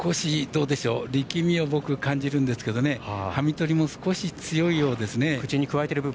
力みを僕は感じるんですけど馬銜とりも少し強いようですね。